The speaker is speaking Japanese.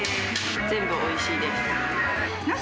全部おいしいです。